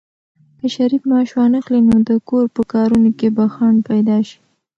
که شریف معاش وانخلي، نو د کور په کارونو کې به خنډ پيدا شي.